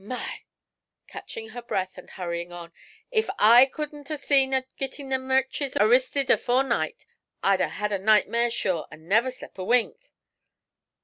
My!' catching her breath and hurrying on; 'if I couldn't 'a' seen to gittin' them wretches arristed afore night, I'd 'a' had a nightmare sure, an' never slep' a wink!'